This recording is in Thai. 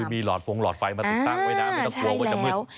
มีหลอดฟงหลอดไฟมาติดตั้งไว้นะไม่ต้องกลัวว่าจะมืด